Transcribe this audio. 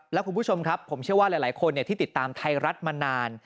แล้วคุณผู้ชมครับผมเชื่อว่าหลายคนที่ติดตามไทยรัฐมานาน